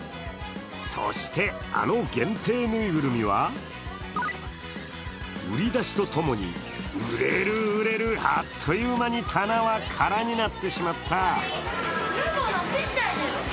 そして、あの限定ぬいぐるみは、売り出しとともに、売れる、売れる、あっという間に棚は空になってしまった。